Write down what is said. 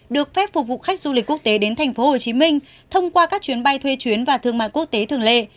được phép phục vụ khách du lịch quốc tế đến tp hcm thông qua các chuyến bay thuê chuyến và thương mại quốc tế thường lệ